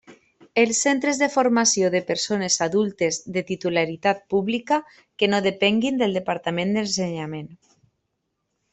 Els centres de formació de persones adultes de titularitat pública que no depenguin del Departament d'Ensenyament.